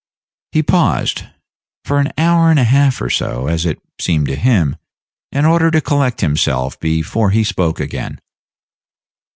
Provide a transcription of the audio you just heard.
Page 30 He paused for an hour and a half or so, as it seemed to him in order to collect himself before he spoke again.